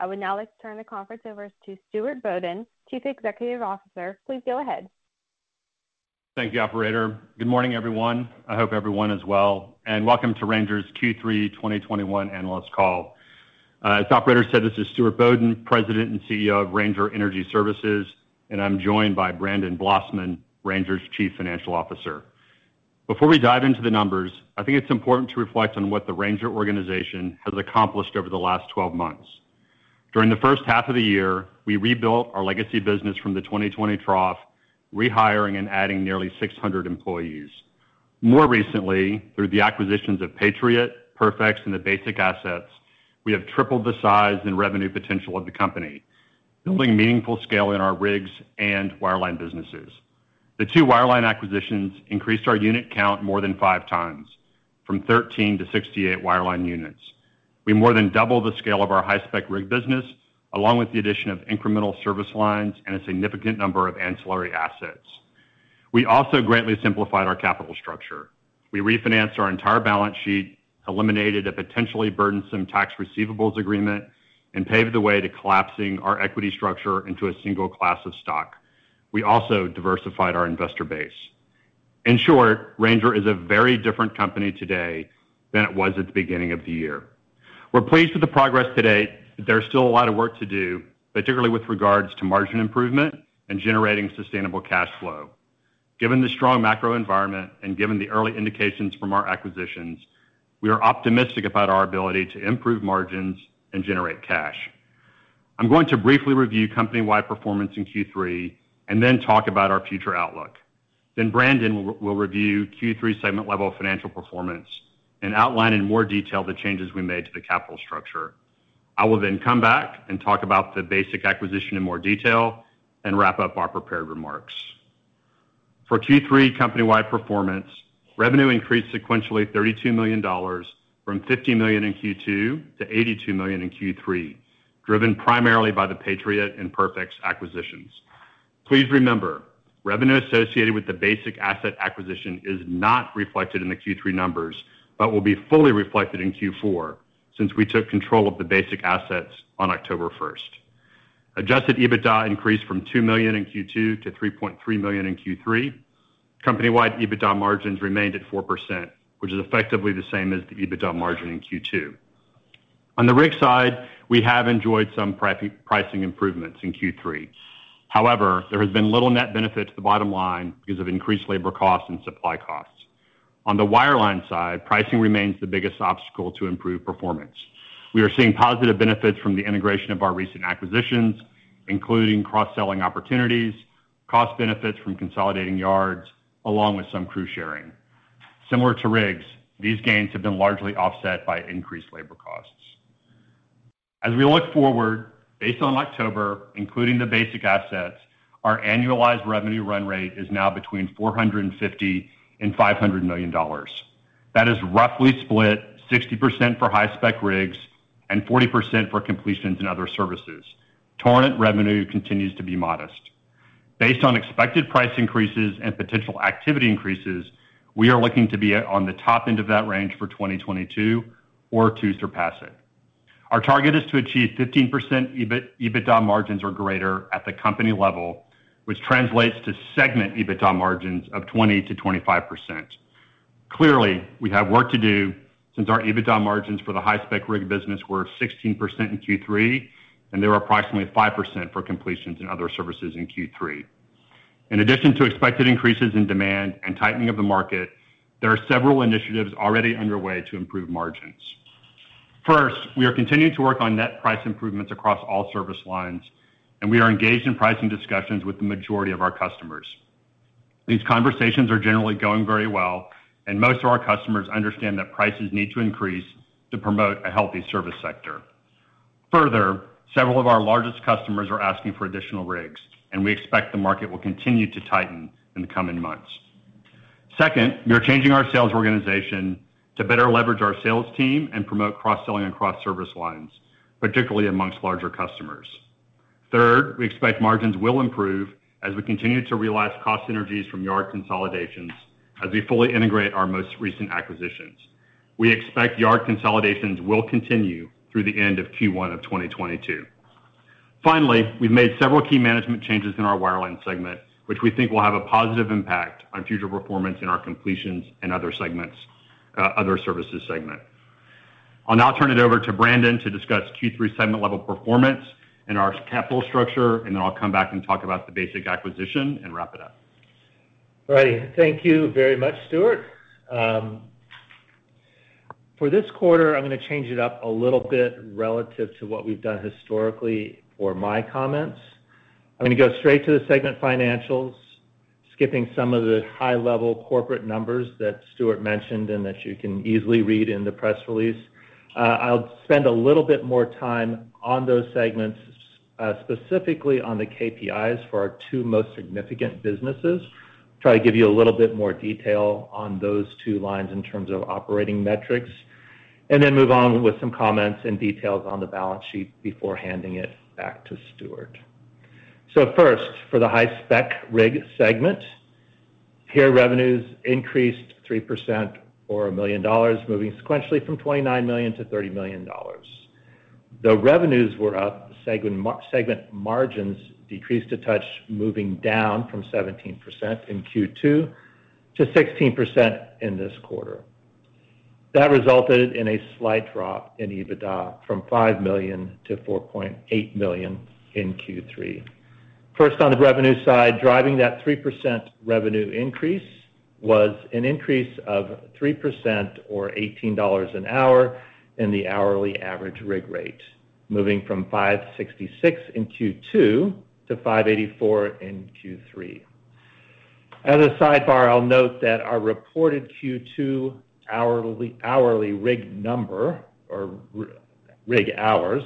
Good morning, everyone. I hope everyone is well, and welcome to Ranger's Q3 2021 analyst call. As the operator said, this is Stuart Bodden, President and CEO of Ranger Energy Services, and I'm joined by Brandon Blossman, Ranger's Chief Financial Officer. Before we dive into the numbers, I think it's important to reflect on what the Ranger organization has accomplished over the last 12 months. During the first half of the year, we rebuilt our legacy business from the 2020 trough, rehiring and adding nearly 600 employees. More recently, through the acquisitions of Patriot, PerfX, and the Basic assets, we have tripled the size and revenue potential of the company, building meaningful scale in our rigs and wireline businesses. The two wireline acquisitions increased our unit count more than fivefold, from 13 to 68 wireline units. We have more than doubled the scale of our high-spec rig business, along with the addition of incremental service lines and a significant number of ancillary assets. We also greatly simplified our capital structure. We refinanced our entire balance sheet, eliminated a potentially burdensome tax receivable agreement, and paved the way to collapsing our equity structure into a single class of stock. We also diversified our investor base. In short, Ranger is a very different company today than it was at the beginning of the year. We're pleased with the progress today, but there's still a lot of work to do, particularly with regards to margin improvement and generating sustainable cash flow. Given the strong macro environment and given the early indications from our acquisitions, we are optimistic about our ability to improve margins and generate cash. I'm going to briefly review company-wide performance in Q3 and then talk about our future outlook. Then Brandon will review Q3 segment level financial performance and outline in more detail the changes we made to the capital structure. I will then come back and talk about the Basic acquisition in more detail and wrap up our prepared remarks. For Q3 company-wide performance, revenue increased sequentially by $32 million, from $50 million in Q2 to $82 million in Q3, driven primarily by the Patriot and PerfX acquisitions. Please remember, revenue associated with the Basic asset acquisition is not reflected in the Q3 numbers, but will be fully reflected in Q4 since we took control of the Basic assets on October first. Adjusted EBITDA increased from $2 million in Q2 to $3.3 million in Q3. Company-wide EBITDA margins remained at 4% in both Q2 and Q3, which is effectively the same as the EBITDA margin in Q2. On the rig side, we have enjoyed some pricing improvements in Q3. However, there has been little net benefit to the bottom line because of increased labor costs and supply costs. On the wireline side, pricing remains the biggest obstacle to improve performance. We are seeing positive benefits from the integration of our recent acquisitions, including cross-selling opportunities, cost benefits from consolidating yards, along with some crew sharing. Similar to rigs, these gains have been largely offset by increased labor costs. As we look forward, based on October, including the Basic assets, our annualized revenue run rate is now between $450 million and $500 million, based on October performance including acquired assets. That is roughly split 60% for high-spec rigs and 40% for Completions and Other Services segment. Other revenue continues to be modest. Based on expected price increases and potential activity increases, we are looking to be on the top end of that range for 2022 or to surpass it. Our target is to achieve 15% EBITDA margins or greater at the company level, which translates to segment EBITDA margins of 20%-25%. Clearly, we have work to do since our EBITDA margins for the high-spec rig segment were 16% in Q3, and they were approximately 5% for completions in other services in Q3. In addition to expected increases in demand and tightening of the market, there are several initiatives already underway to improve margins. First, we are continuing to work on net price improvements across all service lines, and we are engaged in pricing discussions with the majority of our customers. These conversations are generally going very well, and most of our customers understand that prices need to increase to promote a healthy service sector. Further, several of our largest customers are asking for additional rigs, and we expect the market will continue to tighten in the coming months. Second, we are changing our sales organization to better leverage our sales team and promote cross-selling across service lines, particularly amongst larger customers. Third, we expect margins will improve as we continue to realize cost synergies from yard consolidations as we fully integrate our most recent acquisitions. We expect yard consolidations will continue through the end of Q1 of 2022. Finally, we've made several key management changes in our High-spec rig segment, which we think will have a positive impact on future performance in our Completions and other services segment. I'll now turn it over to Brandon to discuss Q3 segment level performance and our capital structure, and then I'll come back and talk about the Basic acquisition and wrap it up. All right. Thank you very much, Stuart. For this quarter, I'm going to change it up a little bit relative to what we've done historically for my comments. I'm going to straight to the segment financials. Skipping some of the high-level corporate numbers that Stuart mentioned and that you can easily read in the press release. I'll spend a little bit more time on those segments, specifically on the KPIs for our two most significant businesses. Try to give you a little bit more detail on those two lines in terms of operating metrics, and then move on with some comments and details on the balance sheet before handing it back to Stuart. First, for the high-spec rig segment, here revenues increased 3% or $1 million, moving sequentially from $29 million to $30 million. The revenues were up, segment margins decreased a touch, moving down from 17% in Q2 to 16% in this quarter. That resulted in a slight drop in EBITDA from $5 million to $4.8 million in Q3. First, on the revenue side, driving that 3% revenue increase was an increase of 3% or $18 an hour in the hourly average rig rate, moving from $566 in Q2 to $584 in Q3. As a sidebar, I'll note that our reported Q2 hourly rig number or rig hours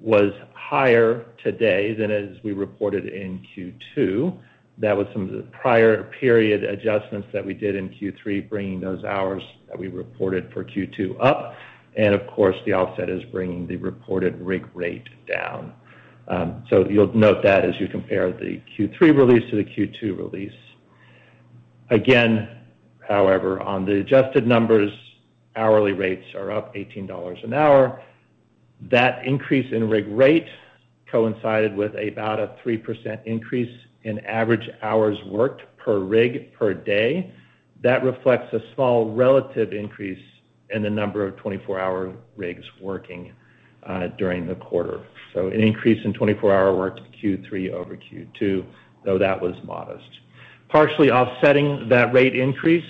was higher today than as we reported in Q2. That was some of the prior period adjustments that we did in Q3, bringing those hours that we reported for Q2 up, and of course, the offset is bringing the reported rig rate down. You'll note that as you compare the Q3 release to the Q2 release. Again, however, on the adjusted numbers, hourly rates are up $18 an hour. That increase in rig rate coincided with about a 3% increase in average hours worked per rig per day. That reflects a small relative increase in the number of 24-hour rigs working during the quarter. An increase in 24-hour work Q3 over Q2, though that was modest. Partially offsetting that rate increase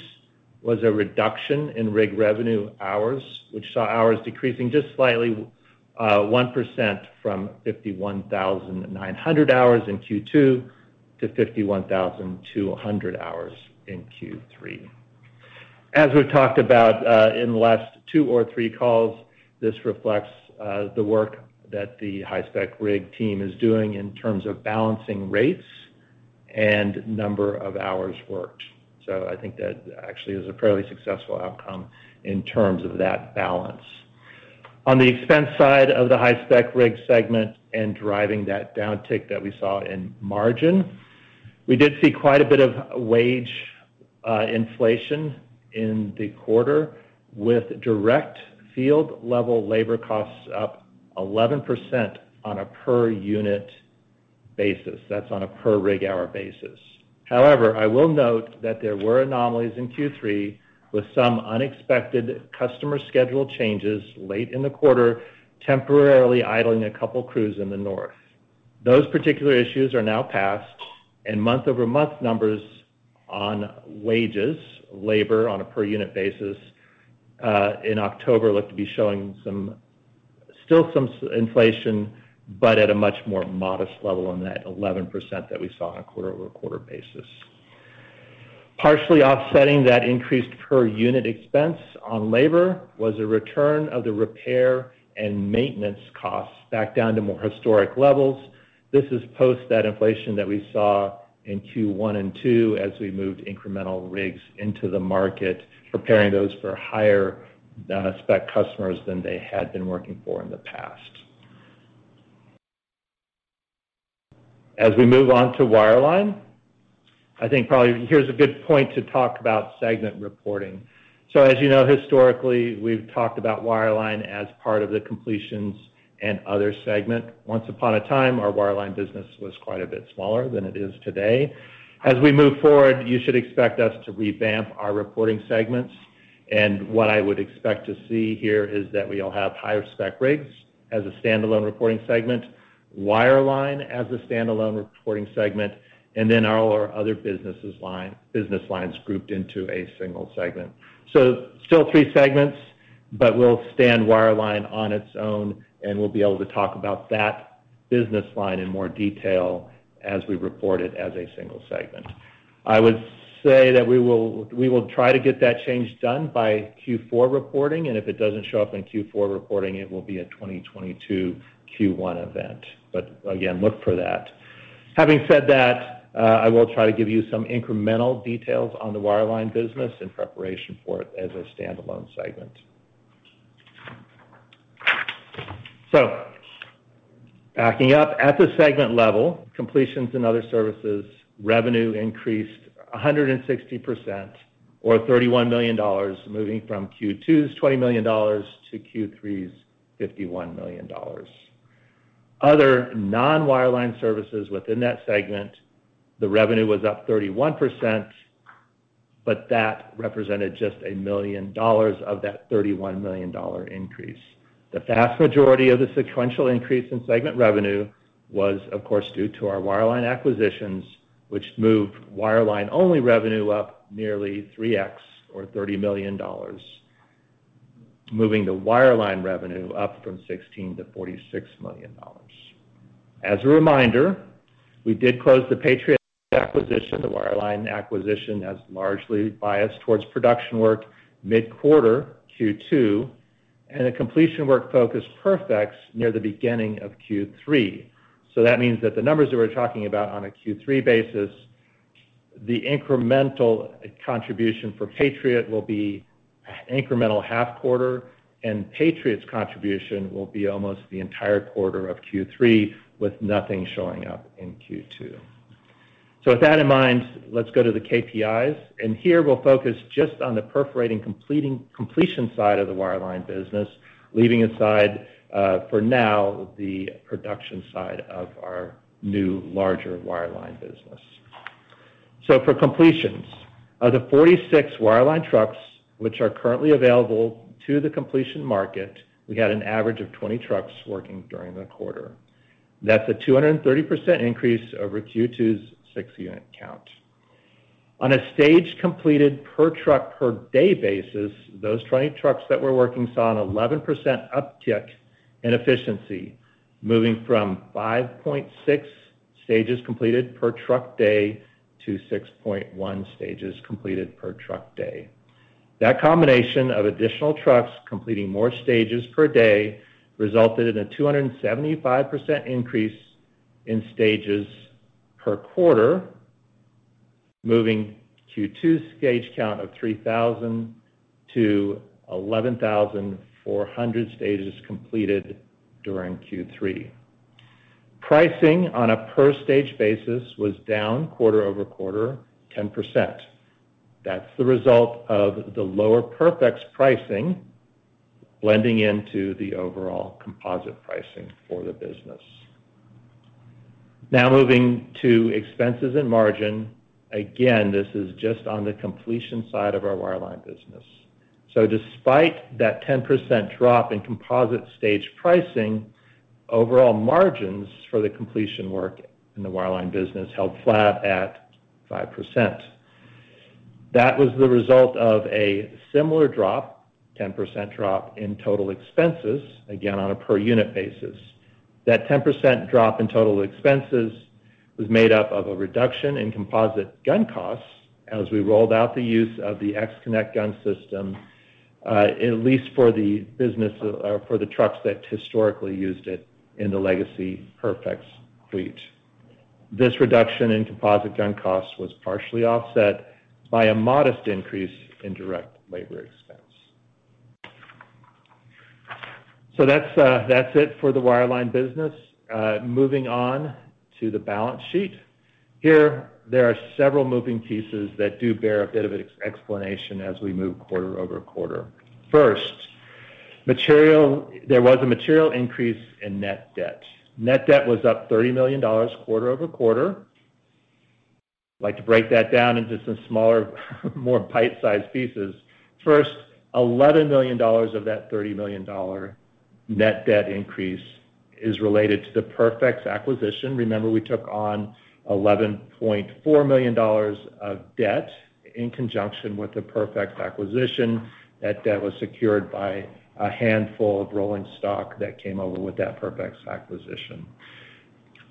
was a reduction in rig revenue hours, which saw hours decreasing just slightly 1% from 51,900 hours in Q2 to 51,200 hours in Q3. As we've talked about in the last two or three calls, this reflects the work that the high-spec rig team is doing in terms of balancing rates and number of hours worked. I think that actually is a fairly successful outcome in terms of that balance. On the expense side of the high-spec rig segment and driving that downtick that we saw in margin, we did see quite a bit of wage inflation in the quarter with direct field level labor costs up 11% on a per unit basis. That's on a per rig hour basis. However, I will note that there were anomalies in Q3 with some unexpected customer schedule changes late in the quarter, temporarily idling a couple crews in the north. Those particular issues are now past and month-over-month numbers on wages, labor on a per unit basis, in October look to be showing some inflation, but at a much more modest level on that 11% that we saw on a quarter-over-quarter basis. Partially offsetting that increased per unit expense on labor was a return of the repair and maintenance costs back down to more historic levels. This is post that inflation that we saw in Q1 and Q2 as we moved incremental rigs into the market, preparing those for high-spec customers than they had been working for in the past. As we move on to wireline, I think probably here's a good point to talk about segment reporting. As you know, historically, we've talked about wireline as part of the Completions and Other segment. Once upon a time, our wireline business was quite a bit smaller than it is today. As we move forward, you should expect us to revamp our reporting segments. What I would expect to see here is that we all have high-spec rigs as a standalone reporting segment, wireline as a standalone reporting segment, and then all our other business lines grouped into a single segment. Still three segments, but we'll stand wireline on its own, and we'll be able to talk about that business line in more detail as we report it as a single segment. I would say that we will try to get that change done by Q4 reporting, and if it doesn't show up in Q4 reporting, it will be a 2022 Q1 event. Again, look for that. Having said that, I will try to give you some incremental details on the Wireline business in preparation for it as a standalone segment. Backing up at the segment level, Completions and other services segment revenue increased 160% or $31 million, moving from Q2's $20 million to Q3's $51 million. Other non-wireline services within that segment, the revenue was up 31%, but that represented just $1 million of that $31 million increase. The vast majority of the sequential increase in segment revenue was, of course, due to our Wireline acquisitions, which moved Wireline-only revenue up nearly 3x or $30 million, moving the Wireline revenue up from $16 million-$46 million. As a reminder, we did close the Patriot acquisition, the wireline acquisition that's largely based towards production work mid-quarter Q2, and the completion work focused PerfX near the beginning of Q3. That means that the numbers that we're talking about on a Q3 basis, the incremental contribution for Patriot will be incremental half quarter, and Patriot's contribution will be almost the entire quarter of Q3 with nothing showing up in Q2. With that in mind, let's go to the KPIs. Here we'll focus just on the completion side of the wireline business, leaving aside, for now, the production side of our new larger wireline business. For completions, of the 46 wireline trucks which are currently available to the completion market, we had an average of 20 trucks working during the quarter. That's a 230% increase over Q2's 6 unit count. On a stage completed per truck per day basis, those 20 trucks that we're working saw an 11% uptick in efficiency, moving from 5.6 stages completed per truck day to 6.1 stages completed per truck day. That combination of additional trucks completing more stages per day resulted in a 275% increase in stages per quarter, moving Q2 stage count of 3,000 to 11,400 stages completed during Q3. Pricing on a per stage basis was down quarter-over-quarter 10%. That's the result of the lower PerfX pricing blending into the overall composite pricing for the business. Now moving to expenses and margin. Again, this is just on the completion side of our wireline business. Despite that 10% drop in composite stage pricing, overall margins for the completion work in the wireline business held flat at 5%. That was the result of a similar drop, 10% drop in total expenses, again, on a per unit basis. That 10% drop in total expenses was made up of a reduction in composite gun costs as we rolled out the use of the X-Connect gun system, at least or for the trucks that historically used it in the legacy PerfX fleet. This reduction in composite gun costs was partially offset by a modest increase in direct labor expense. That's it for the wireline business. Moving on to the balance sheet. Here, there are several moving pieces that do bear a bit of explanation as we move quarter-over-quarter. First, material. There was a material increase in net debt. Net debt was up $30 million quarter-over-quarter. I'd like to break that down into some smaller more bite-sized pieces. First, $11 million of that $30 million net debt increase is related to the PerfX acquisition. Remember, we took on $11.4 million of debt in conjunction with the PerfX acquisition. That debt was secured by a handful of rolling stock that came over with that PerfX acquisition.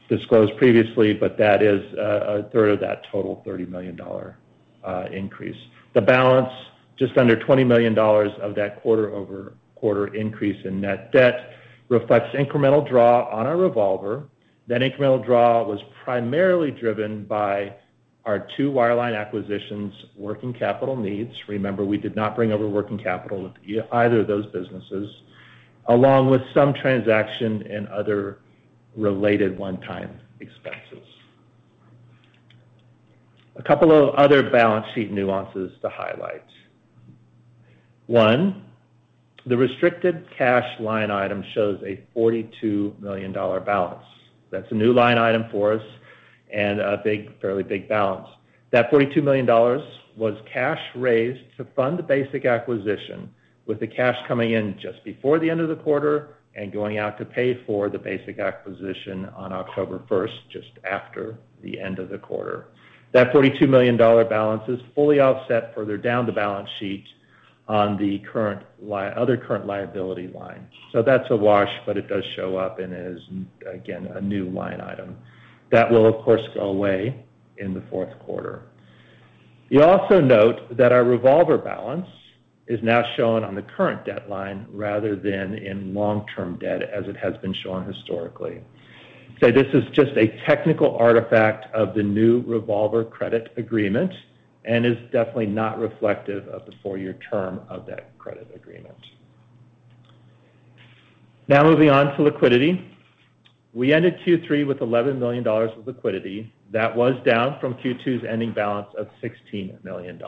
Disclosed previously, but that is a third of that total $30 million increase. The balance, just under $20 million of that quarter-over-quarter increase in net debt reflects incremental draw on our revolver. That incremental draw was primarily driven by our two wireline acquisitions' working capital needs. Remember, we did not bring over working capital with either of those businesses, along with some transaction and other related one-time expenses. A couple of other balance sheet nuances to highlight. One, the restricted cash line item shows a $42 million balance. That's a new line item for us and a big, fairly big balance. That $42 million was cash raised to fund the Basic acquisition, with the cash coming in just before the end of the quarter and going out to pay for the Basic acquisition on October first, just after the end of the quarter. That $42 million balance is fully offset further down the balance sheet on the other current liability line. That's a wash, but it does show up and is, again, a new line item. That will, of course, go away in the fourth quarter. You'll also note that our revolver balance is now shown on the current debt line rather than in long-term debt as it has been shown historically. This is just a technical artifact of the new revolver credit agreement and is definitely not reflective of the four-year term of that credit agreement. Now moving on to liquidity. We ended Q3 with $11 million of liquidity. That was down from Q2's ending balance of $16 million.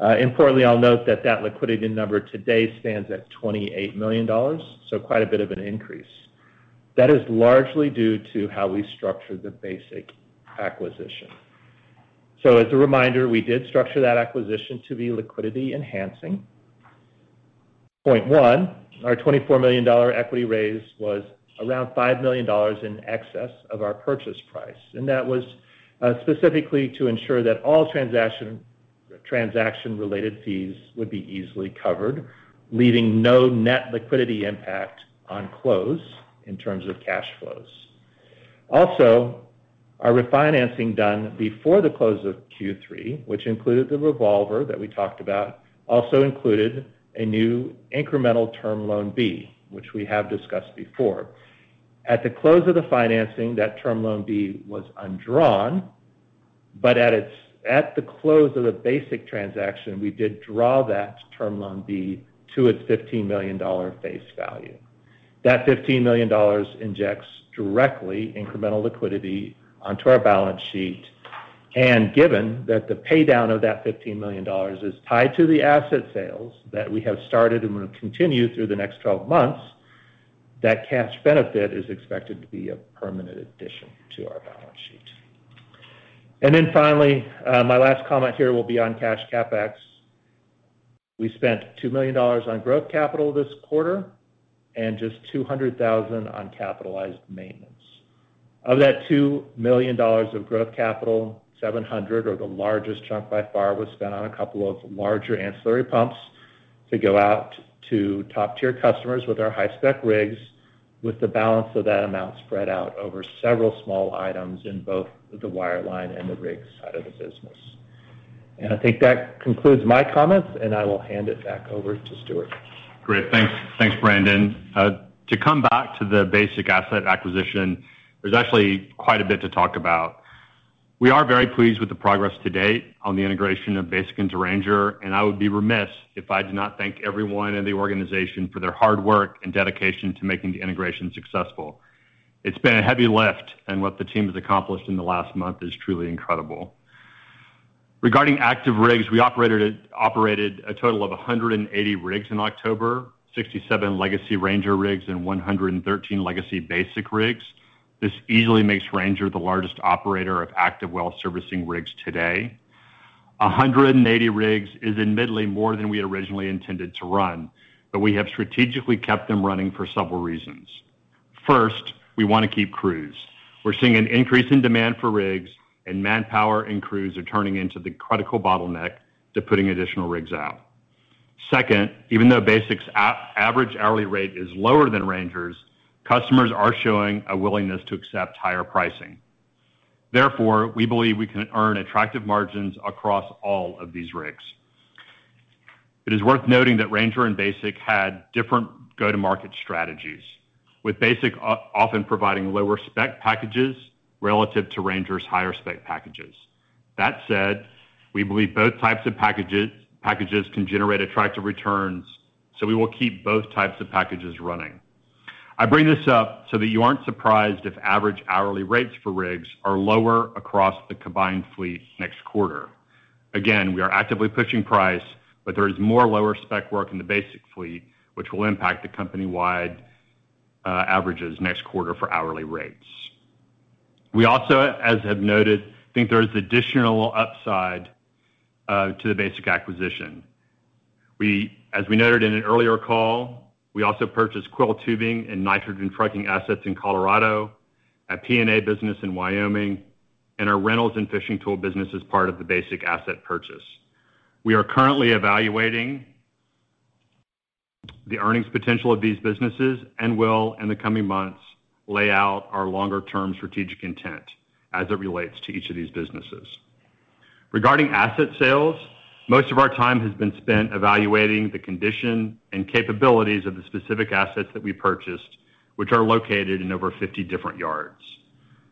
Importantly, I'll note that that liquidity number today stands at $28 million, so quite a bit of an increase. That is largely due to how we structured the Basic acquisition. As a reminder, we did structure that acquisition to be liquidity enhancing. Point one, our $24 million equity raise was around $5 million in excess of our purchase price. That was specifically to ensure that all transaction-related fees would be easily covered, leaving no net liquidity impact on close in terms of cash flows. Also, our refinancing done before the close of Q3, which included the revolver that we talked about, also included a new incremental term loan B, which we have discussed before. At the close of the financing, that term loan B was undrawn, but at the close of the Basic transaction, we did draw that term loan B to its $15 million face value. That $15 million injects directly incremental liquidity onto our balance sheet. Given that the pay down of that $15 million is tied to the asset sales that we have started and will continue through the next 12 months, that cash benefit is expected to be a permanent addition to our balance sheet. Finally, my last comment here will be on cash CapEx. We spent $2 million on growth capital this quarter and just $200,000 on capitalized maintenance. Of that $2 million of growth capital, $700,000, or the largest chunk by far, was spent on a couple of larger ancillary pumps to go out to top-tier customers with our high-spec rigs, with the balance of that amount spread out over several small items in both the wireline and the rigs side of the business. I think that concludes my comments, and I will hand it back over to Stuart. Great. Thanks. Thanks, Brandon. To come back to the Basic asset acquisition, there's actually quite a bit to talk about. We are very pleased with the progress to date on the integration of Basic into Ranger, and I would be remiss if I did not thank everyone in the organization for their hard work and dedication to making the integration successful. It's been a heavy lift, and what the team has accomplished in the last month is truly incredible. Regarding active rigs, we operated a total of 180 rigs in October, 67 legacy Ranger rigs and 113 legacy Basic rigs. This easily makes Ranger the largest operator of active well servicing rigs today. 180 rigs is admittedly more than we originally intended to run, but we have strategically kept them running for several reasons. First, we want to keep crews. We're seeing an increase in demand for rigs and manpower, and crews are turning into the critical bottleneck to putting additional rigs out. Second, even though Basic's average hourly rate is lower than Ranger's, customers are showing a willingness to accept higher pricing. Therefore, we believe we can earn attractive margins across all of these rigs. It is worth noting that Ranger and Basic had different go-to-market strategies, with Basic often providing lower spec packages relative to Ranger's higher spec packages. That said, we believe both types of packages can generate attractive returns, so we will keep both types of packages running. I bring this up so that you aren't surprised if average hourly rates for rigs are lower across the combined fleet next quarter. Again, we are actively pushing price, but there is more lower-spec work in the Basic fleet, which will impact the company-wide averages next quarter for hourly rates. We also, as I've noted, think there's additional upside to the Basic acquisition. As we noted in an earlier call, we also purchased coiled tubing and nitrogen trucking assets in Colorado, a P&A business in Wyoming, and our rentals and fishing tool business as part of the Basic asset purchase. We are currently evaluating the earnings potential of these businesses and will, in the coming months, lay out our longer term strategic intent as it relates to each of these businesses. Regarding asset sales, most of our time has been spent evaluating the condition and capabilities of the specific assets that we purchased, which are located in over 50 different yards.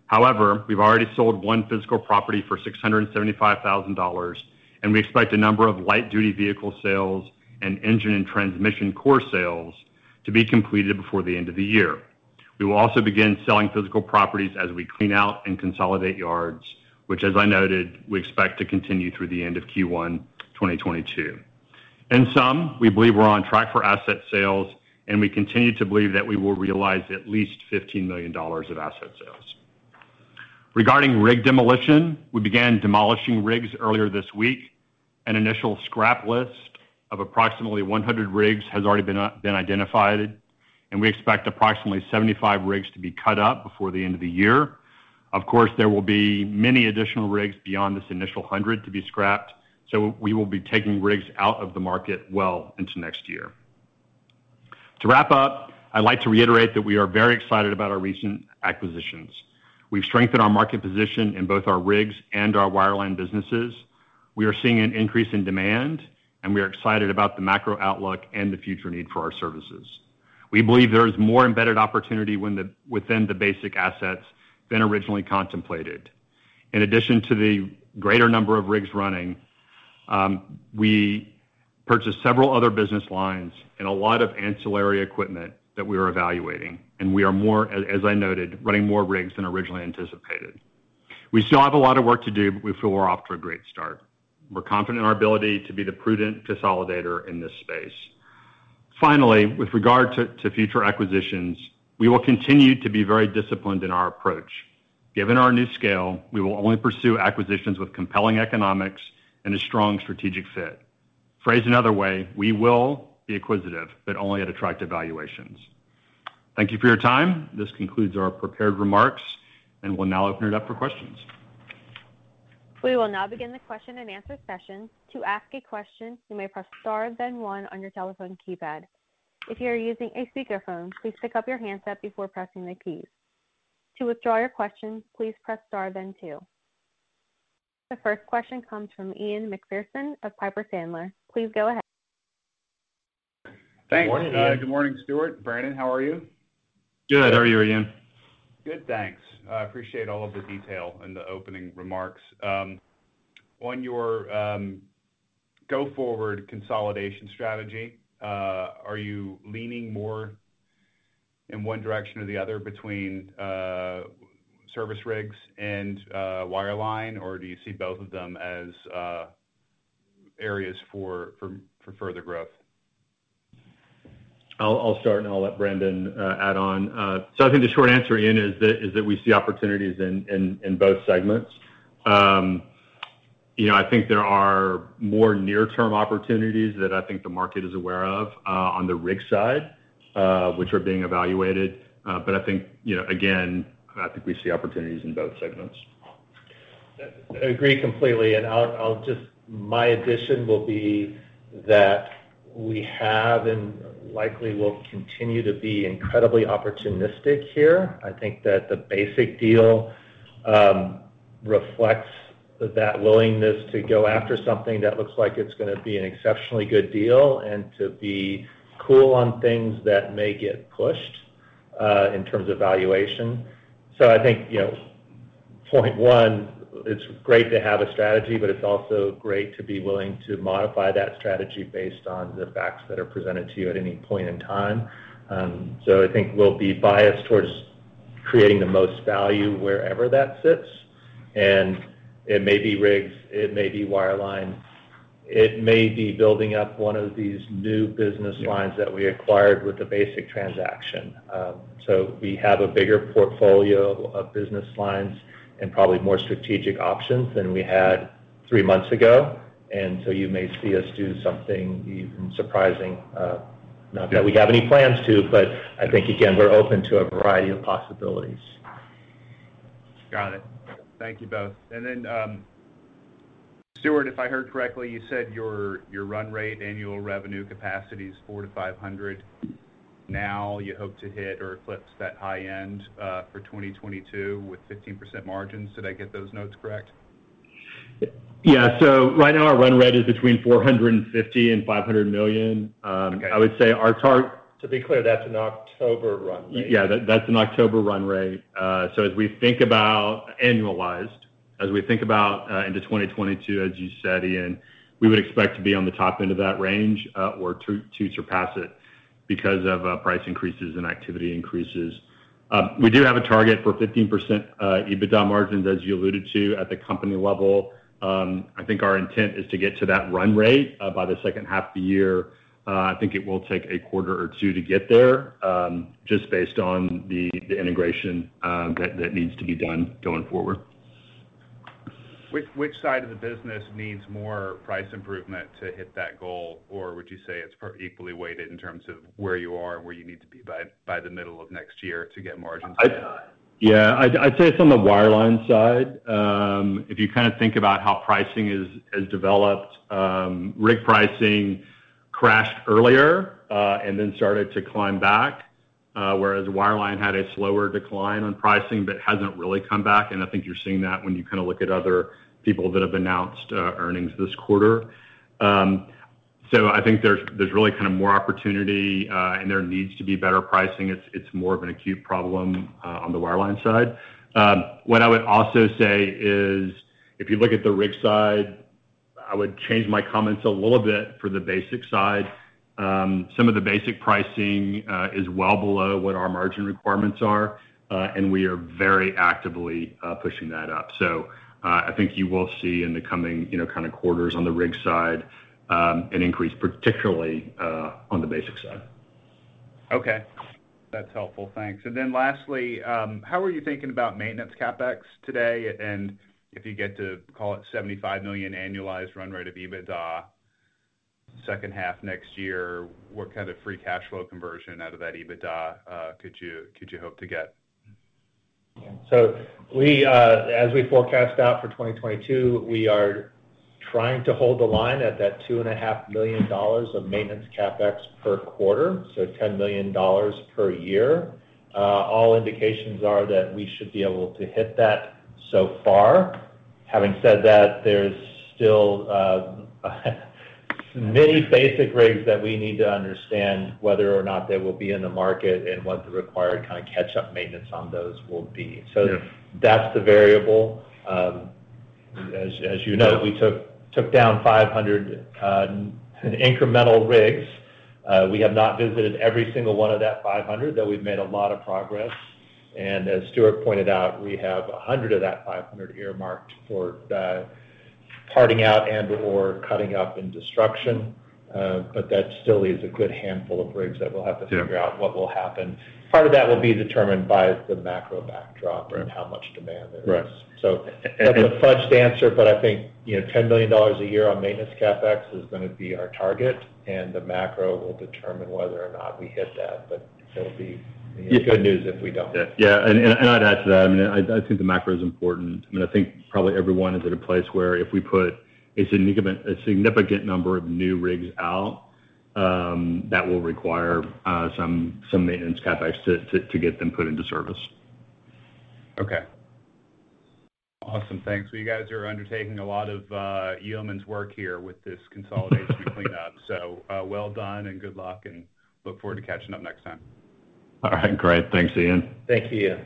However, we've already sold one physical property for $675,000, and we expect a number of light duty vehicle sales and engine and transmission core sales to be completed before the end of the year. We will also begin selling physical properties as we clean out and consolidate yards, which as I noted, we expect to continue through the end of Q1 2022. In sum, we believe we're on track for asset sales, and we continue to believe that we will realize at least $15 million of asset sales. Regarding rig demolition, we began demolishing rigs earlier this week. An initial scrap list of approximately 100 rigs has already been identified, and we expect approximately 75 rigs to be cut up before the end of the year. Of course, there will be many additional rigs beyond this initial 100 to be scrapped, so we will be taking rigs out of the market well into next year. To wrap up, I'd like to reiterate that we are very excited about our recent acquisitions. We've strengthened our market position in both our rigs and our wireline businesses. We are seeing an increase in demand, and we are excited about the macro outlook and the future need for our services. We believe there is more embedded opportunity within the Basic assets than originally contemplated. In addition to the greater number of rigs running, we purchased several other business lines and a lot of ancillary equipment that we are evaluating, and we are more, as I noted, running more rigs than originally anticipated. We still have a lot of work to do, but we feel we're off to a great start. We're confident in our ability to be the prudent consolidator in this space. Finally, with regard to future acquisitions, we will continue to be very disciplined in our approach. Given our new scale, we will only pursue acquisitions with compelling economics and a strong strategic fit. Phrased another way, we will be acquisitive, but only at attractive valuations. Thank you for your time. This concludes our prepared remarks, and we'll now open it up for questions. Thanks. Good morning, Ian. Good morning, Stuart. Brandon, how are you? Good. How are you, Ian? Good, thanks. I appreciate all of the detail in the opening remarks. On your go-forward consolidation strategy, are you leaning more in one direction or the other between service rigs and wireline, or do you see both of them as areas for further growth? I'll start, and I'll let Brandon add on. I think the short answer, Ian, is that we see opportunities in both segments. You know, I think there are more near-term opportunities that I think the market is aware of on the rig side, which are being evaluated. I think, you know, again, I think we see opportunities in both segments. I agree completely, and I'll just. My addition will be that we have, and likely will continue to be, incredibly opportunistic here. I think that the Basic deal reflects that willingness to go after something that looks like it's going to be an exceptionally good deal and to be cool on things that may get pushed in terms of valuation. I think, you know, point one, it's great to have a strategy, but it's also great to be willing to modify that strategy based on the facts that are presented to you at any point in time. I think we'll be biased towards creating the most value wherever that sits. It may be rigs, it may be wireline, it may be building up one of these new business lines that we acquired with the Basic transaction. We have a bigger portfolio of business lines and probably more strategic options than we had three months ago. You may see us do something even surprising, not that we have any plans to, but I think, again, we're open to a variety of possibilities. Got it. Thank you both. Stuart, if I heard correctly, you said your run rate annual revenue capacity is $400 million-$500 million. Now, you hope to hit or eclipse that high end, for 2022 with 15% margins. Did I get those notes correct? Yeah. Right now, our run rate is between $450 million and $500 million. Okay. I would say our tar- To be clear, that's an October run rate. Yeah. That's an October run rate. As we think about into 2022, as you said, Ian, we would expect to be on the top end of that range, or to surpass it because of price increases and activity increases. We do have a target for 15% EBITDA margins, as you alluded to, at the company level. I think our intent is to get to that run rate by the second half of the year. I think it will take a quarter or two to get there, just based on the integration that needs to be done going forward. Which side of the business needs more price improvement to hit that goal? Or would you say it's equally weighted in terms of where you are and where you need to be by the middle of next year to get margins in line? Yeah. I'd say it's on the wireline side. If you kind of think about how pricing has developed, rig pricing crashed earlier and then started to climb back, whereas wireline had a slower decline on pricing but hasn't really come back. I think you're seeing that when you kind of look at other people that have announced earnings this quarter. I think there's really kind of more opportunity and there needs to be better pricing. It's more of an acute problem on the wireline side. What I would also say is, if you look at the rig side, I would change my comments a little bit for the Basic side. Some of the basic pricing is well below what our margin requirements are, and we are very actively pushing that up. I think you will see in the coming, you know, kind of quarters on the rig side, an increase particularly on the basic side. Okay. That's helpful. Thanks. Lastly, how are you thinking about maintenance CapEx today? If you get to, call it $75 million annualized run rate of EBITDA second half next year, what kind of free cash flow conversion out of that EBITDA could you hope to get? We, as we forecast out for 2022, are trying to hold the line at that $2.5 million of maintenance CapEx per quarter, $10 million per year. All indications are that we should be able to hit that so far. Having said that, there's still many basic rigs that we need to understand whether or not they will be in the market and what the required kind of catch-up maintenance on those will be. Yeah. That's the variable. As you know, we took down 500 incremental rigs. We have not visited every single one of that 500, though we've made a lot of progress. As Stuart pointed out, we have 100 of that 500 earmarked for parting out and/or cutting up and destruction. That still leaves a good handful of rigs that we'll have to Yeah. figure out what will happen. Part of that will be determined by the macro backdrop. Right. how much demand there is. Right. That's a fudged answer, but I think, you know, $10 million a year on maintenance CapEx is going to be our target, and the macro will determine whether or not we hit that. That'll be, you know, good news if we don't. I'd add to that. I mean, I think the macro is important. I mean, I think probably everyone is at a place where if we put a significant number of new rigs out, that will require some maintenance CapEx to get them put into service. Okay. Awesome. Thanks. Well, you guys are undertaking a lot of yeoman's work here with this consolidation cleanup, so well done and good luck, and look forward to catching up next time. All right, great. Thanks, Ian. Thank you, Ian. Yeah.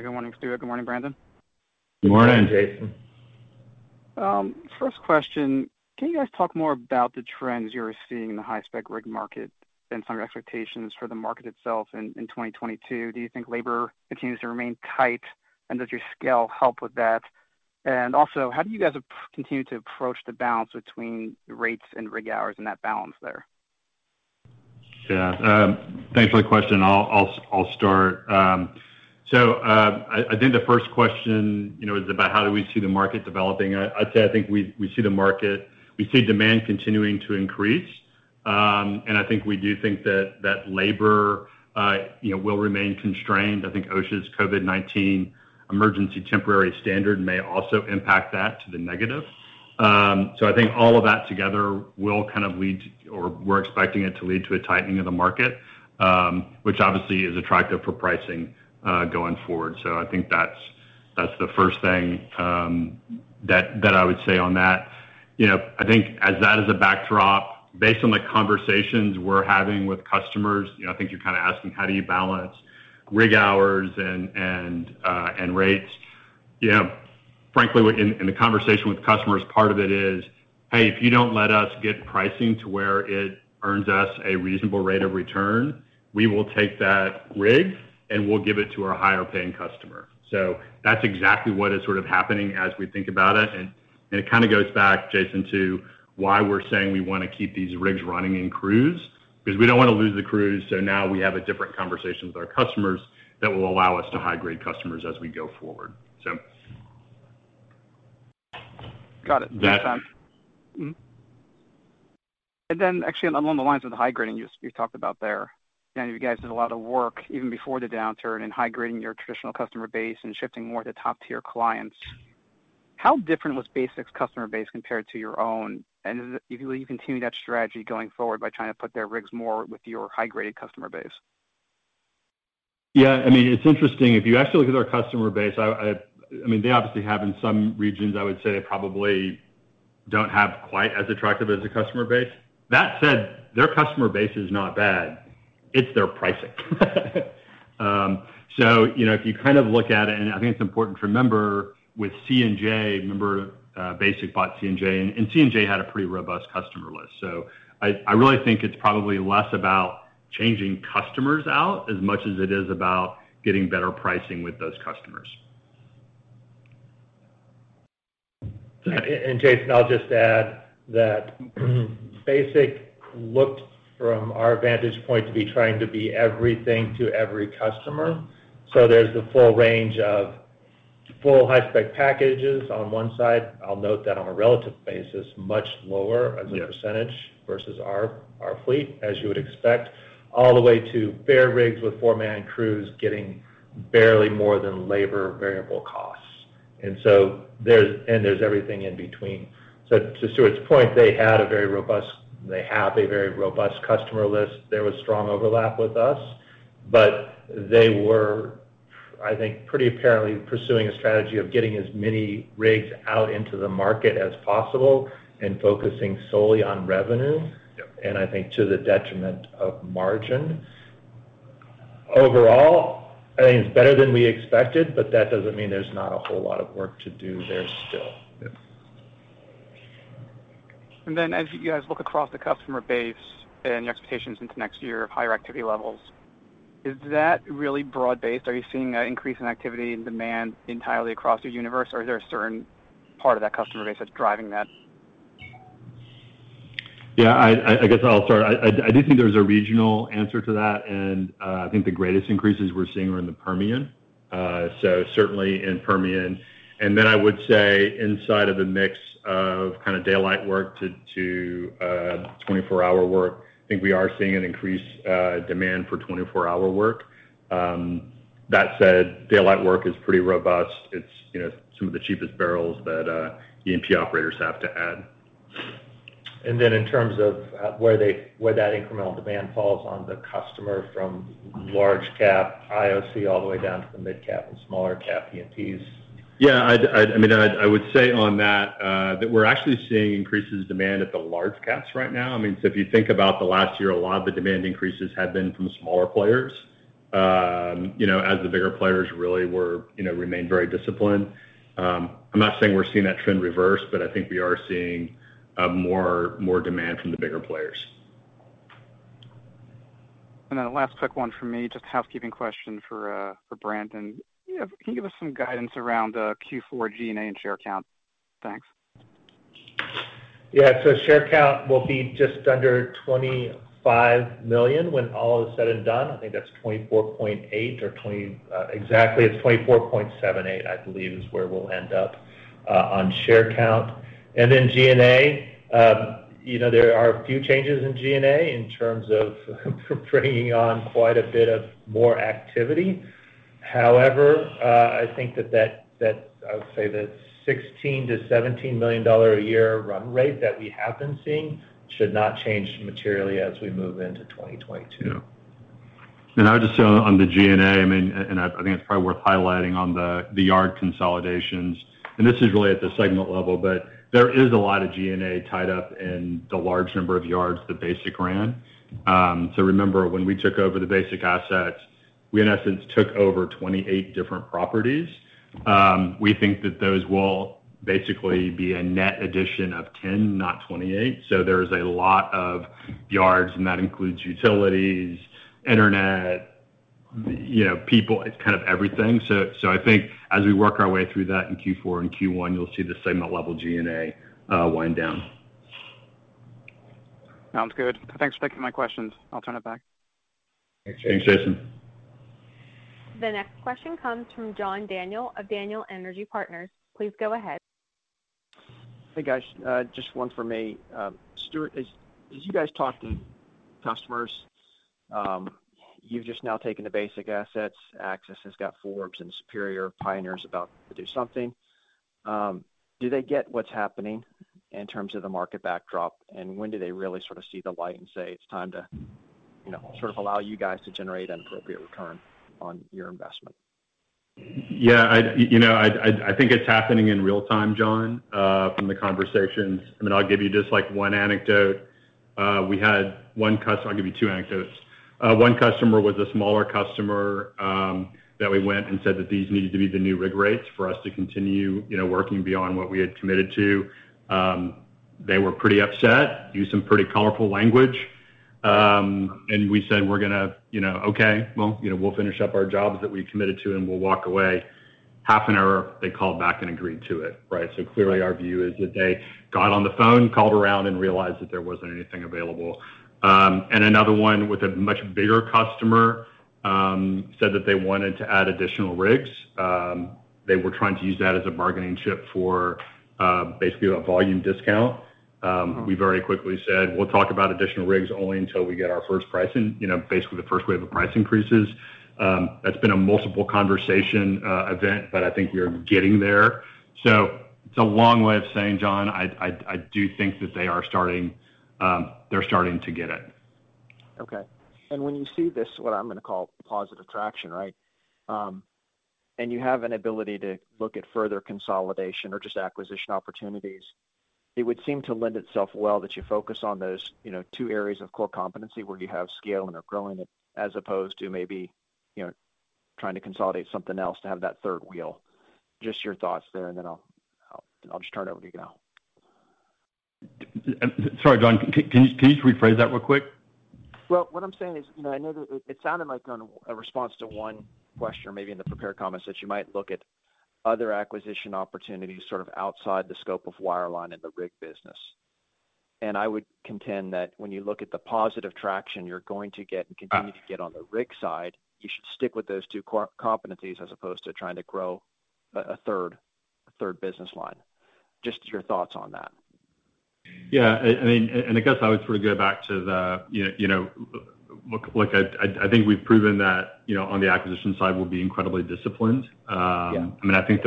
Good morning, Stuart. Good morning, Brandon. Good morning. First question, can you guys talk more about the trends you're seeing in the high-spec rig market and some of your expectations for the market itself in 2022? Do you think labor continues to remain tight, and does your scale help with that? Also, how do you guys continue to approach the balance between rates and rig hours and that balance there? Yeah. Thanks for the question. I'll start. I think the first question, you know, is about how we see the market developing. I'd say I think we see demand continuing to increase, and I think we do think that labor, you know, will remain constrained. I think OSHA's COVID-19 Emergency Temporary Standard may also impact that to the negative. I think all of that together will kind of lead, or we're expecting it to lead to a tightening of the market, which obviously is attractive for pricing going forward. I think that's the first thing that I would say on that. You know, I think as a backdrop, based on the conversations we're having with customers, you know, I think you're kind of asking how do you balance rig hours and rates. You know, frankly, in the conversation with customers, part of it is, "Hey, if you don't let us get pricing to where it earns us a reasonable rate of return, we will take that rig, and we'll give it to our higher paying customer." That's exactly what is sort of happening as we think about it, and it kind of goes back, Jason, to why we're saying we want to keep these rigs running in crews, because we don't want to lose the crews, so now we have a different conversation with our customers that will allow us to high-grade customers as we go forward. Got it. That- Actually along the lines of the high-grading you talked about there, you know, you guys did a lot of work even before the downturn in high-grading your traditional customer base and shifting more to top-tier clients. How different was Basic's customer base compared to your own? Will you continue that strategy going forward by trying to put their rigs more with your high-graded customer base? Yeah. I mean, it's interesting. If you actually look at our customer base, I mean, they obviously have in some regions, I would say, probably don't have quite as attractive a customer base. That said, their customer base is not bad. It's their pricing. So, you know, if you kind of look at it, I think it's important to remember with C&J Energy Services energy services. Remember, Basic bought C&J Energy Services energy services, and C&J Energy Services energy services had a pretty robust customer list. So I really think it's probably less about changing customers out as much as it is about getting better pricing with those customers. Jason, I'll just add that Basic looked from our vantage point to be trying to be everything to every customer. There's the full range of full high-spec packages on one side. I'll note that on a relative basis, much lower. Yeah ...as a percentage versus our fleet, as you would expect, all the way to bare rigs with four-man crews getting barely more than labor variable costs. There's everything in between. To Stuart's point, they have a very robust customer list. There was strong overlap with us, but they were, I think, pretty apparently pursuing a strategy of getting as many rigs out into the market as possible and focusing solely on revenue. Yep I think to the detriment of margin. Overall, I think it's better than we expected, but that doesn't mean there's not a whole lot of work to do there still. Yeah. As you guys look across the customer base and your expectations into next year of higher activity levels, is that really broad-based? Are you seeing an increase in activity and demand entirely across your universe, or is there a certain part of that customer base that's driving that? Yeah. I guess I'll start. I do think there's a regional answer to that, and I think the greatest increases we're seeing are in the Permian. So certainly in Permian. Then I would say inside of the mix of kind of daylight work to 24-hour work, I think we are seeing an increased demand for 24-hour work. That said, daylight work is pretty robust. It's you know, some of the cheapest barrels that E&P operators have to add. In terms of where that incremental demand falls on the customer from large-cap IOC all the way down to the mid-cap and smaller-cap E&Ps. I'd—I mean, I would say on that we're actually seeing increasing demand at the large caps right now. I mean, if you think about the last year, a lot of the demand increases have been from smaller players, you know, as the bigger players really were, you know, remained very disciplined. I'm not saying we're seeing that trend reverse, but I think we are seeing more demand from the bigger players. Last quick one from me, just a housekeeping question for Brandon. You know, can you give us some guidance around Q4 G&A and share count? Thanks. Share count will be just under 25 million when all is said and done. I think that's 24.8. Exactly, it's 24.78, I believe, where we'll end up on share count. G&A, there are a few changes in G&A in terms of bringing on quite a bit of more activity. However, I think that I would say that $16 million-$17 million a year run rate that we have been seeing should not change materially as we move into 2022. Yeah. I would just say on the G&A, I mean, and I think it's probably worth highlighting on the yard consolidations, and this is really at the segment level, but there is a lot of G&A tied up in the large number of yards that Basic ran. Remember when we took over the Basic assets, we in essence took over 28 different properties. We think that those will basically be a net addition of 10, not 28. There is a lot of yards, and that includes utilities, internet, you know, people. It's kind of everything. I think as we work our way through that in Q4 and Q1, you'll see the segment level G&A wind down. Sounds good. Thanks for taking my questions. I'll turn it back. Thanks, Jason. Hey, guys. Just one for me. Stuart, as you guys talk to customers, you've just now taken the Basic assets. Axis Energy Services has got Forbes Energy Services and Superior Energy Services, Pioneer Energy Services about to do something. Do they get what's happening in terms of the market backdrop? When do they really sort of see the light and say it's time to sort of allow you guys to generate an appropriate return on your investment? Yeah. You know, I think it's happening in real time, John, from the conversations. I mean, I'll give you just, like, one anecdote. I'll give you two anecdotes. One customer was a smaller customer that we went and said that these needed to be the new rig rates for us to continue, you know, working beyond what we had committed to. They were pretty upset, used some pretty colorful language. We said, we're going to, you know, we'll finish up our jobs that we committed to, and we'll walk away. Half an hour, they called back and agreed to it, right? Clearly our view is that they got on the phone, called around, and realized that there wasn't anything available. Another one with a much bigger customer said that they wanted to add additional rigs. They were trying to use that as a bargaining chip for basically a volume discount. We very quickly said, we'll talk about additional rigs only until we get our first pricing, you know, basically the first wave of price increases. That's been a multiple conversation event, but I think we are getting there. It's a long way of saying, John, I do think that they are starting to get it. Okay. When you see this, what I'm going to call positive traction, right? You have an ability to look at further consolidation or just acquisition opportunities. It would seem to lend itself well that you focus on those, you know, two areas of core competency where you have scale and are growing it, as opposed to maybe, you know, trying to consolidate something else to have that third wheel. Just your thoughts there, and then I'll just turn it over to you now. Sorry, John. Can you just rephrase that real quick? Well, what I'm saying is, you know, I know that it sounded like on a response to one question, maybe in the prepared comments, that you might look at other acquisition opportunities sort of outside the scope of wireline and the rig business. I would contend that when you look at the positive traction you're going to get and continue to get on the rig side, you should stick with those two core competencies as opposed to trying to grow a third business line. Just your thoughts on that? Yeah. I mean, and I guess I would sort of go back to the, you know. Look, I think we've proven that, you know, on the acquisition side, we'll be incredibly disciplined. Yeah. I mean, I think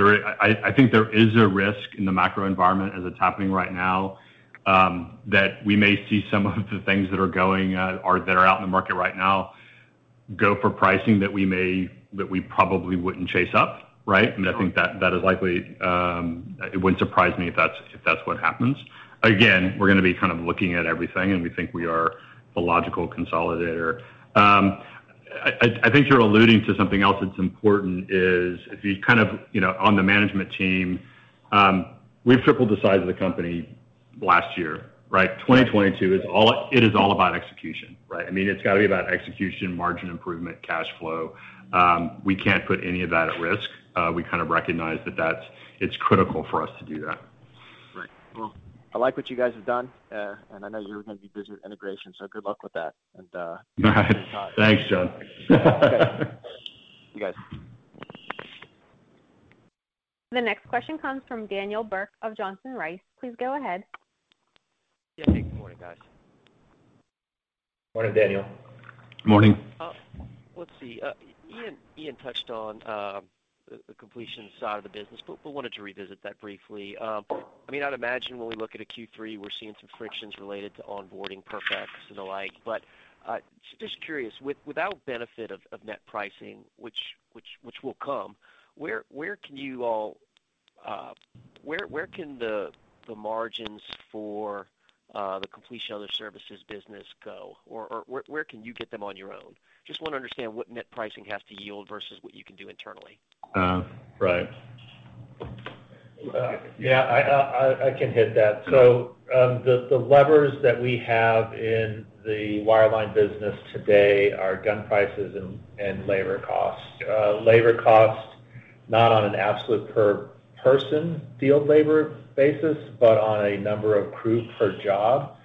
there is a risk in the macro environment as it's happening right now, that we may see some of the things that are going, or that are out in the market right now go for pricing that we probably wouldn't chase up, right? Sure. I think that is likely. It wouldn't surprise me if that's what happens. Again, we're going to be kind of looking at everything, and we think we are a logical consolidator. I think you're alluding to something else that's important is if you kind of, you know, on the management team, we've tripled the size of the company last year, right? Right. 2022 is all about execution, right? I mean, it's got to be about execution, margin improvement, cash flow. We can't put any of that at risk. We kind of recognize that it's critical for us to do that. Right. Well, I like what you guys have done. I know you're going to be busy with integration, so good luck with that. Looking forward to talking. Thanks, John. Okay. Thank you, guys. Yeah. Good morning, guys. Morning, Daniel. Morning. Let's see. Ian touched on the completion side of the business, but wanted to revisit that briefly. I mean, I'd imagine when we look at a Q3, we're seeing some frictions related to onboarding PerfX and the like. Just curious, without benefit of net pricing, which will come, where can you all, where can the margins for the completion other services business go? Or where can you get them on your own? Just want to understand what net pricing has to yield versus what you can do internally. Right. Yeah. I can hit that. The levers that we have in the wireline business today are gun prices and labor costs. Labor costs not on an absolute per person field labor basis, but on a number of crew per job.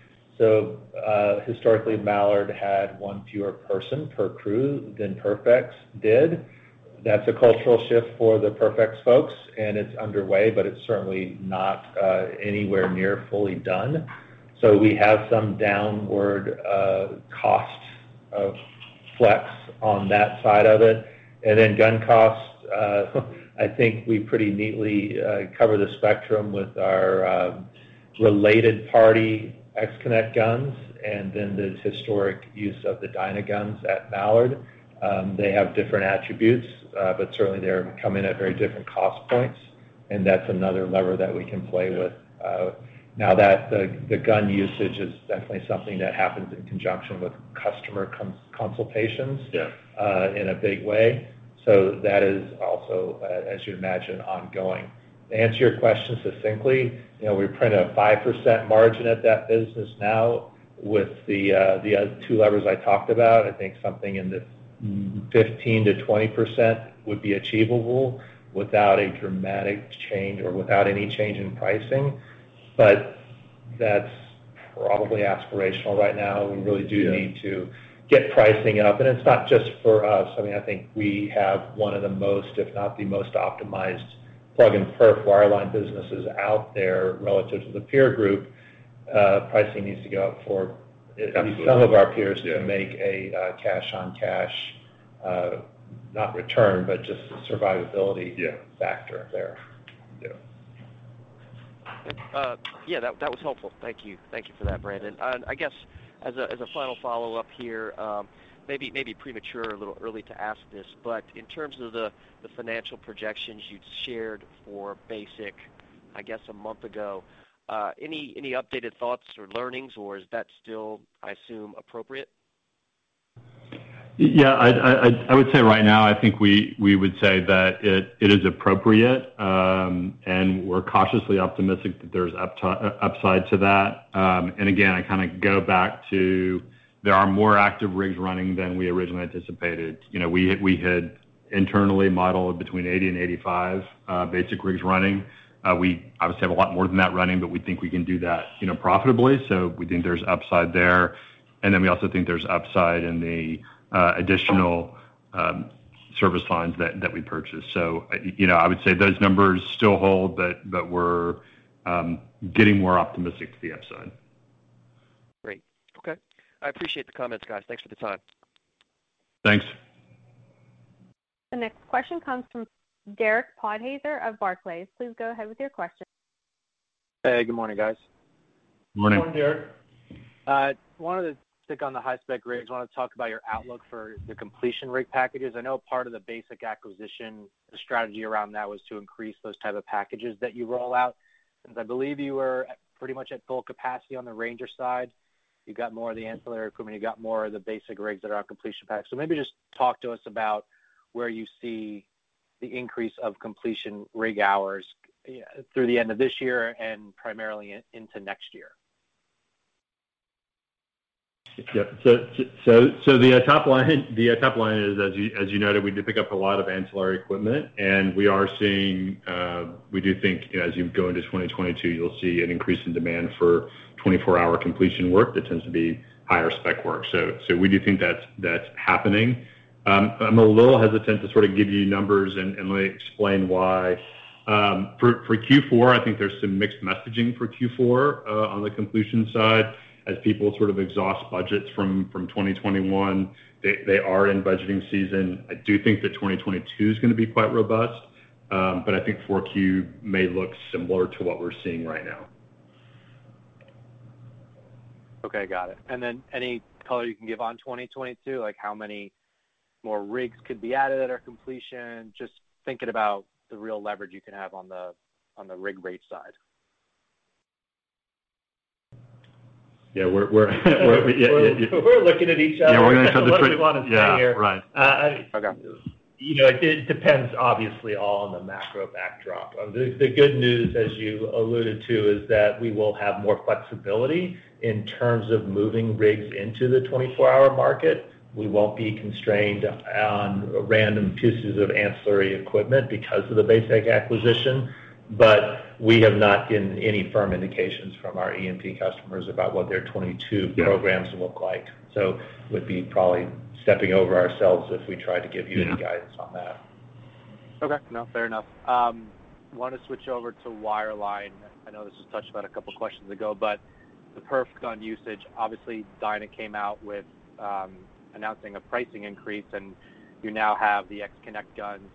Historically, Mallard had one fewer person per crew than PerfX did. That's a cultural shift for the PerfX folks, and it's underway, but it's certainly not anywhere near fully done. We have some downward cost of flex on that side of it. Gun costs, I think we pretty neatly cover the spectrum with our related party X-Connect guns and then the historic use of the DynaEnergetics guns at Mallard. They have different attributes, but certainly come in at very different cost points, and that's another lever that we can play with. Yeah. Now that the gun usage is definitely something that happens in conjunction with customer consultations. Yeah in a big way. That is also, as you'd imagine, ongoing. To answer your question succinctly, you know, we print a 5% margin at that business now. With the two levers I talked about, I think something in the 15%-20% would be achievable without a dramatic change or without any change in pricing. But that's probably aspirational right now. We really do need Yeah to get pricing up. It's not just for us. I mean, I think we have one of the most, if not the most optimized plug and perf wireline businesses out there relative to the peer group. Pricing needs to go up for at- Absolutely at least some of our peers. Yeah to make a cash-on-cash not return but just survivability Yeah factor there. Yeah. Yeah, that was helpful. Thank you. Thank you for that, Brandon. I guess as a final follow-up here, maybe premature, a little early to ask this. In terms of the financial projections you'd shared for Basic, I guess, a month ago, any updated thoughts or learnings, or is that still, I assume, appropriate? Yeah. I would say right now, I think we would say that it is appropriate, and we're cautiously optimistic that there's upside to that. Again, I kind of go back to there are more active rigs running than we originally anticipated. You know, we had internally modeled between 80 and 85 basic rigs running. We obviously have a lot more than that running, but we think we can do that, you know, profitably. We think there's upside there. Then we also think there's upside in the additional service lines that we purchased. You know, I would say those numbers still hold, but we're getting more optimistic to the upside. Great. Okay. I appreciate the comments, guys. Thanks for the time. Thanks. Hey, good morning, guys. Morning. Morning, Derek. Wanted to stick on the high-spec rigs. I want to talk about your outlook for the completion rig packages. I know part of the Basic acquisition strategy around that was to increase those type of packages that you roll out. Since I believe you were at pretty much at full capacity on the Ranger side, you got more of the ancillary equipment, you got more of the Basic rigs that are on completion packs. Maybe just talk to us about where you see the increase of completion rig hours through the end of this year and primarily into next year. The top line is, as you noted, we did pick up a lot of ancillary equipment, and we are seeing we do think as you go into 2022, you'll see an increase in demand for 24-hour completion work that tends to be high-spec work. We do think that's happening. I'm a little hesitant to sort of give you numbers and let me explain why. For Q4, I think there's some mixed messaging for Q4 on the completion side as people sort of exhaust budgets from 2021. They are in budgeting season. I do think that 2022 is going to be quite robust, but I think 4Q may look similar to what we're seeing right now. Okay, got it. Any color you can give on 2022, like how many more rigs could be added at our completion? Just thinking about the real leverage you can have on the rig rate side. Yeah. We're yeah. We're looking at each other. Yeah, we're going to tell the truth. what we want to say here. Okay. You know, it depends obviously all on the macro backdrop. The good news, as you alluded to, is that we will have more flexibility in terms of moving rigs into the 24-hour market. We won't be constrained on random pieces of ancillary equipment because of the Basic acquisition. We have not gotten any firm indications from our E&P customers about what their 22- Yeah Programs look like. Would be probably stepping over ourselves if we tried to give you. Mm-hmm Any guidance on that? Okay. No, fair enough. want to switch over to wireline. I know this was touched about a couple questions ago, but the perf gun usage, obviously Dyna came out with announcing a pricing increase, and you now have the XConnect guns.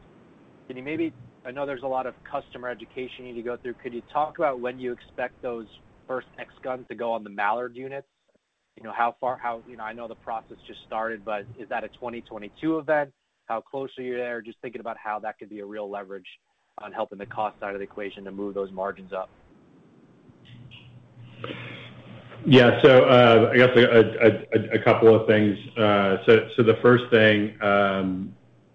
Can you maybe. I know there's a lot of customer education you need to go through. Could you talk about when you expect those first X guns to go on the Mallard units? You know, how far, how, you know, I know the process just started, but is that a 2022 event? How close are you there? Just thinking about how that could be a real leverage on helping the cost side of the equation to move those margins up. Yeah. I guess a couple of things. The first thing,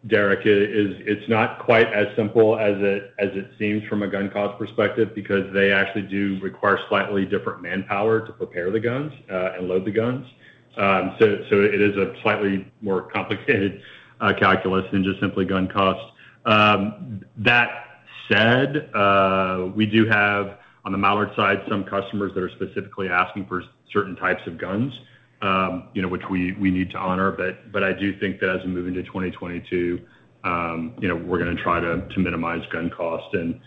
Derek, is it's not quite as simple as it seems from a gun cost perspective because they actually do require slightly different manpower to prepare the guns and load the guns. So it is a slightly more complicated calculus than just simply gun cost. That said, we do have, on the Mallard side, some customers that are specifically asking for certain types of guns, you know, which we need to honor. I do think that as we move into 2022, you know, we're going to try to minimize gun cost and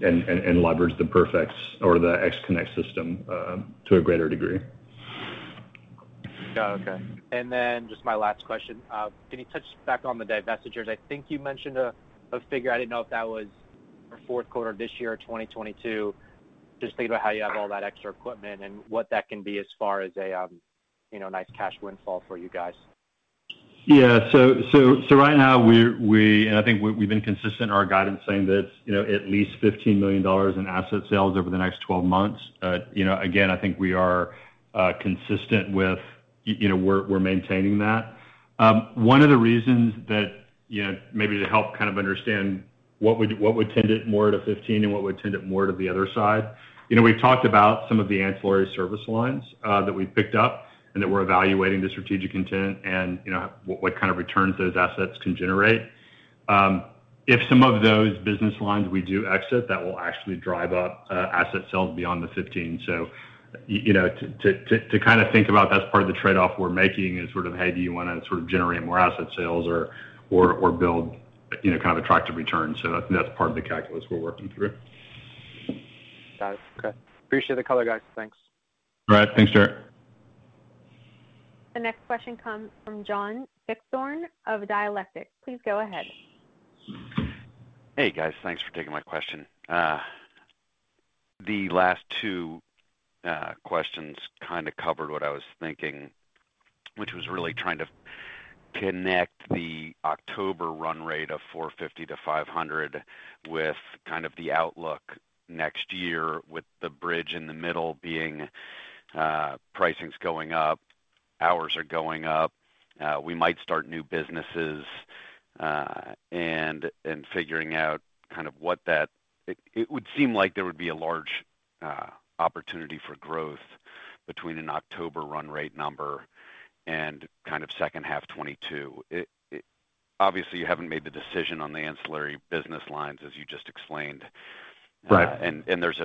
leverage the PerfX or the XConnect system to a greater degree. Got it. Okay. Just my last question. Can you touch back on the divestitures? I think you mentioned a figure. I didn't know if that was for fourth quarter, this year, or 2022. Just thinking about how you have all that extra equipment and what that can be as far as a, you know, nice cash windfall for you guys. Right now, we're and I think we've been consistent in our guidance saying that, you know, at least $15 million in asset sales over the next 12 months. You know, again, I think we are consistent with, you know, we're maintaining that. One of the reasons that, you know, maybe to help kind of understand what would tend it more to 15 and what would tend it more to the other side. You know, we've talked about some of the ancillary service lines that we've picked up and that we're evaluating the strategic intent and, you know, what kind of returns those assets can generate. If some of those business lines we do exit, that will actually drive up asset sales beyond the 15. You know, to kind of think about that's part of the trade-off we're making is sort of, "Hey, do you want to sort of generate more asset sales or build, you know, kind of attractive returns?" That's part of the calculus we're working through. Got it. Okay. Appreciate the color, guys. Thanks. All right. Thanks, Jarrod. Hey, guys. Thanks for taking my question. The last two questions kinda covered what I was thinking, which was really trying to connect the October run rate of $450-$500 with kind of the outlook next year with the bridge in the middle being pricing's going up, hours are going up, we might start new businesses, and figuring out kind of what that. It would seem like there would be a large opportunity for growth between an October run rate number and kind of second half 2022. Obviously, you haven't made the decision on the ancillary business lines, as you just explained. Right. There's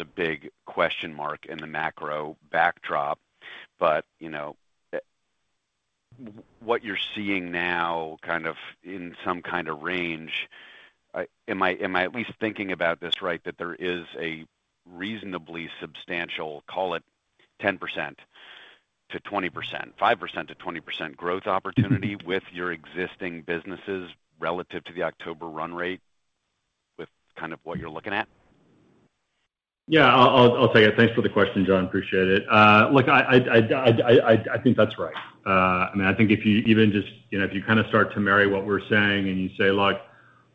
a big question mark in the macro backdrop, but you know, what you're seeing now kind of in some kind of range, am I at least thinking about this right, that there is a reasonably substantial, call it 10%-20%, 5%-20% growth opportunity with your existing businesses relative to the October run rate with kind of what you're looking at? Yeah. I'll take it. Thanks for the question, John. Appreciate it. Look, I think that's right. I mean, I think if you even just, you know, if you kind of start to marry what we're saying and you say, "Look,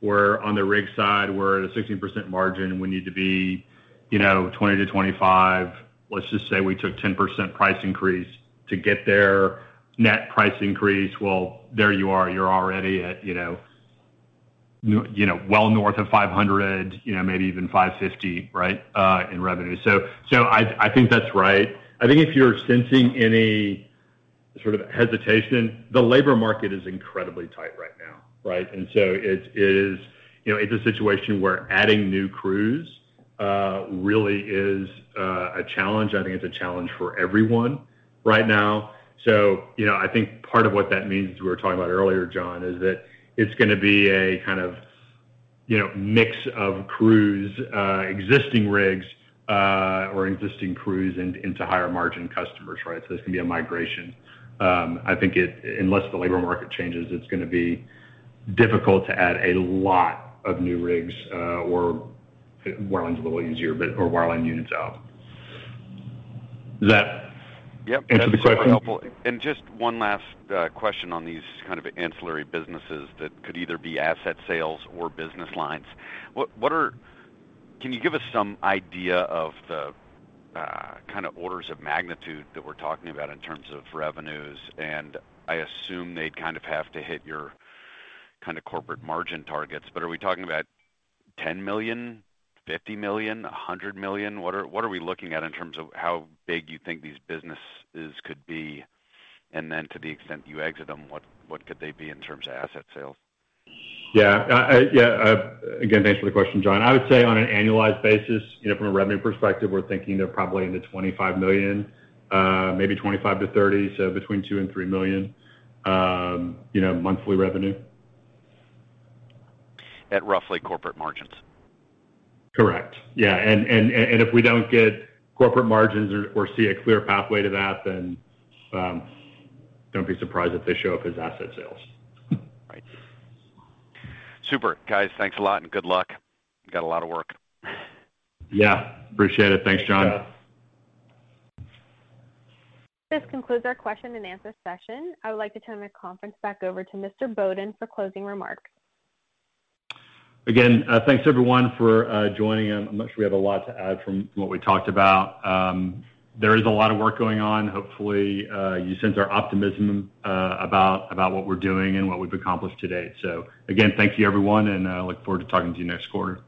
we're on the rig side, we're at a 16% margin, and we need to be, you know, 20%-25%." Let's just say we took 10% price increase to get their net price increase. Well, there you are. You're already at, you know, well north of $500, you know, maybe even $550, right, in revenue. I think that's right. I think if you're sensing any sort of hesitation, the labor market is incredibly tight right now, right? It is, you know, it's a situation where adding new crews really is a challenge. I think it's a challenge for everyone right now. You know, I think part of what that means, as we were talking about earlier, John, is that it's going to be a kind of, you know, mix of crews, existing rigs or existing crews into higher margin customers, right? This can be a migration. I think unless the labor market changes, it's going to be difficult to add a lot of new rigs or wireline's a little easier, but or wireline units out. Does that Yep. Answer the question? That's super helpful. Just one last question on these kind of ancillary businesses that could either be asset sales or business lines. What are Can you give us some idea of the kind of orders of magnitude that we're talking about in terms of revenues? I assume they'd kind of have to hit your kind of corporate margin targets, but are we talking about $10 million, $50 million, $100 million? What are we looking at in terms of how big you think these businesses could be? To the extent you exit them, what could they be in terms of asset sales? Again, thanks for the question, John. I would say on an annualized basis, you know, from a revenue perspective, we're thinking they're probably in the $25 million, maybe $25 million-$30 million, so between $2 million and $3 million, you know, monthly revenue. At roughly corporate margins? Correct. Yeah. If we don't get corporate margins or see a clear pathway to that, then don't be surprised if they show up as asset sales. Right. Super. Guys, thanks a lot, and good luck. You got a lot of work. Yeah. Appreciate it. Thanks, John. Again, thanks everyone for joining. I'm not sure we have a lot to add from what we talked about. There is a lot of work going on. Hopefully, you sense our optimism about what we're doing and what we've accomplished to date. Again, thank you everyone, and I look forward to talking to you next quarter.